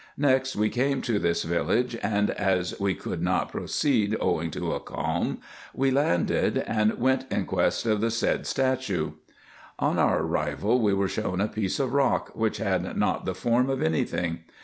Next day we came to this village; and as we coidd not proceed, owing to a calm, we landed, and went in quest of the said statue. On our arrival we were shown a piece of rock, wluch had not the form of any thing.